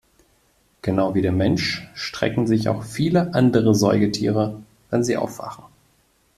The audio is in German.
Genau wie der Mensch strecken sich auch viele andere Säugetiere, wenn sie aufwachen.